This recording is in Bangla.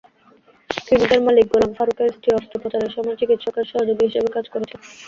ক্লিনিকের মালিক গোলাম ফারুকের স্ত্রী অস্ত্রোপচারের সময় চিকিৎসকের সহযোগী হিসেবে কাজ করছেন।